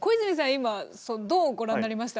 今どうご覧になりました？